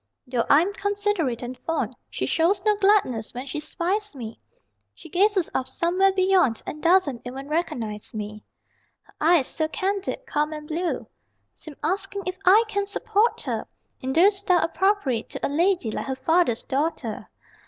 Though I'm considerate and fond, She shows no gladness when she spies me She gazes off somewhere beyond And doesn't even recognize me. Her eyes, so candid, calm and blue, Seem asking if I can support her In the style appropriate to A lady like her father's daughter.